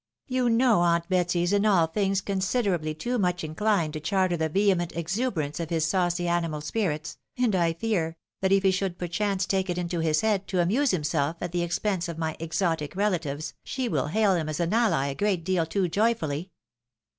You know aunt Betsy is in all things considerably too much inchned to charter the vehement exuberance of his saucy animal spirits, and I fear, that if he should perchance take it into his head to amuse himself at the expense of my exotic relatives, she will haU him as an ally a great deal too joyfully.